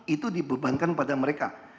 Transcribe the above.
itu dibebankan pada mereka